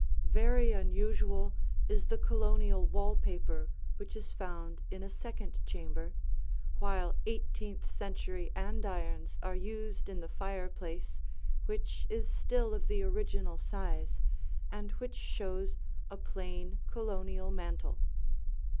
Very unusual is the Colonial wall paper which is found in a second chamber, while eighteenth century andirons are used in the fireplace which is still of the original size and which shows a plain Colonial mantel.